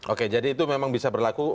oke jadi itu memang bisa berlaku